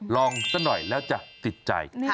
สักหน่อยแล้วจะติดใจ